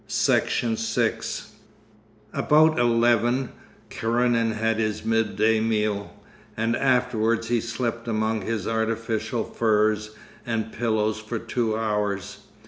Section 6 About eleven Karenin had his midday meal, and afterwards he slept among his artificial furs and pillows for two hours.